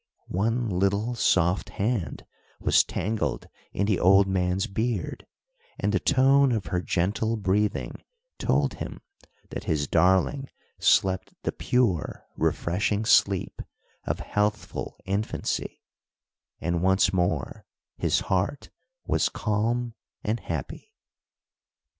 One little soft hand was tangled in the old man's beard, and the tone of her gentle breathing told him that his darling slept the pure, refreshing sleep of healthful infancy, and once more his heart was calm and happy.